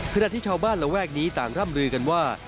ขณะที่ชาวบ้านระแวกนี้ต่างร่ำลือกันว่า